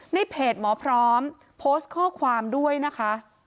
ในเพจหมอพร้อมโพสต์ข้อความด้วยนะคะ